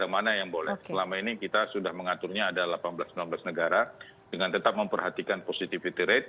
mana yang boleh selama ini kita sudah mengaturnya ada delapan belas sembilan belas negara dengan tetap memperhatikan positivity rate